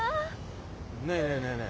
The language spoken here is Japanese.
ねえねえねえねえ